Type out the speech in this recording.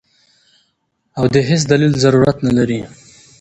او د هېڅ دليل ضرورت نۀ لري -